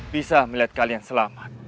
bisa melihat kalian selamat